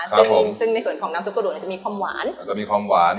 ซึ่งในส่วนของน้ำซุปกระดูกมันจะมีความหวานมันจะมีความหวาน